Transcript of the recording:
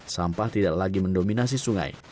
sampah tidak lagi mendominasi sungai